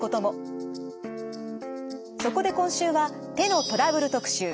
そこで今週は手のトラブル特集